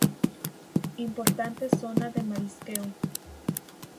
Importante zona de marisqueo.